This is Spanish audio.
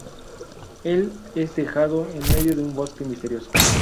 Él es dejado en medio de un bosque misterioso.